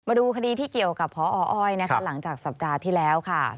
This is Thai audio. มาดูคดีที่เกี่ยวกับพออ้อยนะคะหลังจากสัปดาห์ที่แล้วค่ะ